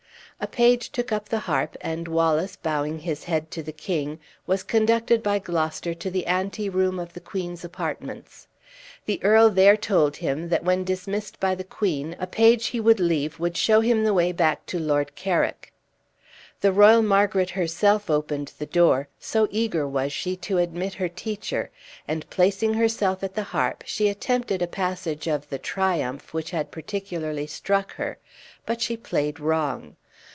A page took up the harp; and Wallace, bowing his head to the king, was conducted by Gloucester to the anteroom of the queen's apartments. The earl there told him, that when dismissed by the queen, a page he would leave would show him the way back to Lord Carrick. The royal Margaret herself opened the door, so eager was she to admit her teacher; and placing herself at the harp, she attempted a passage of "The Triumph," which had particularly struck her, but she played wrong.